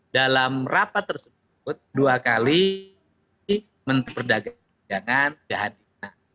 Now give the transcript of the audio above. dalam rapat tersebut dua kali diperdagangkan kehadiran